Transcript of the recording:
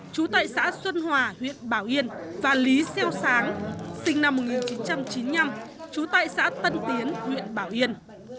chú tại xã xuân hòa huyện bảo yên và lý xeo sáng sinh năm một nghìn chín trăm chín mươi năm trú tại xã tân tiến huyện bảo yên